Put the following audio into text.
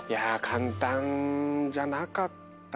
簡単じゃなかったかな？